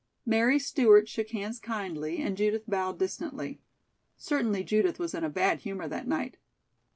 Mary Stewart shook hands kindly and Judith bowed distantly. Certainly Judith was in a bad humor that night.